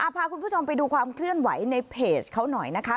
พาคุณผู้ชมไปดูความเคลื่อนไหวในเพจเขาหน่อยนะคะ